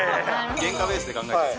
原価ベースで考えると。